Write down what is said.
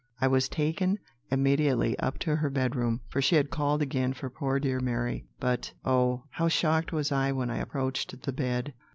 I was taken immediately up to her bedroom, for she had called again for poor dear Mary. But, oh, how shocked was I when I approached the bed!